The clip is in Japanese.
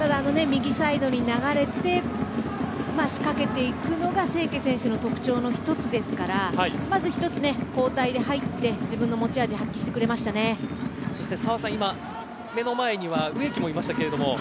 右サイドに流れて仕掛けていくのが清家選手の特徴の１つですからまず１つ、交代で入って自分の持ち味をそして澤さん目の前に植木もいましたが。